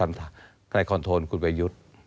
ในคอนโทรลคุณประยุทธ์